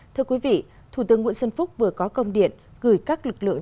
thưa quý vị thủ tướng nguyễn xuân phúc vừa có công điện gửi các lực lượng